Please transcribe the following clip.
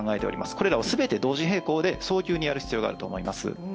これらを全て同時並行で早急にやる必要があると思います。